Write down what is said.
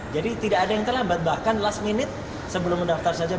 jadi tidak ada yang terlambat bahkan last minute sebelum mendaftar saja